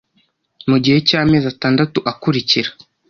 mu gihe cy amezi atandatu akurikira